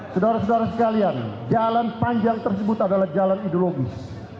saudara saudara sekalian jalan panjang tersebut adalah jalan ideologis